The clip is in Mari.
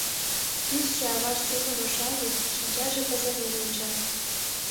Тӱсшӧ аваж семын ошалге, шинчаже пызырнен онча.